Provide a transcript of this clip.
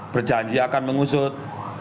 berjanji akan mengusut